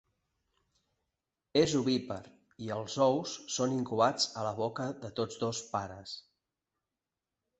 És ovípar i els ous són incubats a la boca de tots dos pares.